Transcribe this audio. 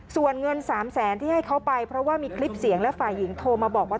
ส่วนเงิน๓แสนที่ให้เขาไปเพราะว่ามีคลิปเสียงและฝ่ายหญิงโทรมาบอกว่า